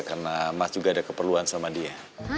karena mas juga ada keperluan sama dia